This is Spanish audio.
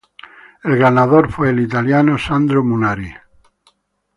El ganador fue el italiano Sandro Munari.